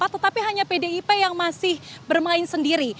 tetapi hanya pdip yang masih bermain sendiri